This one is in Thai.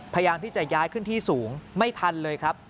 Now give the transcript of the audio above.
พยายามที่จะย้ายขึ้นที่สูงไม่ทันเลยครับ